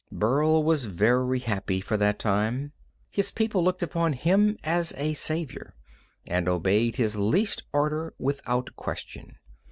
Burl was very happy for that time. His people looked upon him as a savior, and obeyed his least order without question.